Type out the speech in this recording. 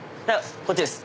こっちです。